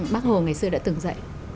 bác hồ ngày xưa đã từng dạy